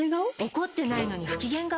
怒ってないのに不機嫌顔？